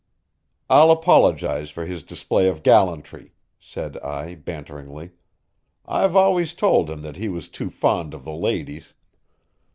"I'll apologize for his display of gallantry," said I banteringly. "I've always told him that he was too fond of the ladies."